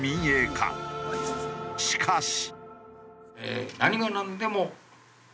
しかし。